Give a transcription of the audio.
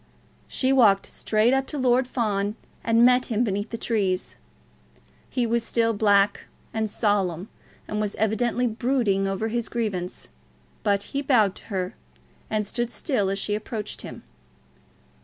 She walked straight up to Lord Fawn, and met him beneath the trees. He was still black and solemn, and was evidently brooding over his grievance; but he bowed to her, and stood still as she approached him.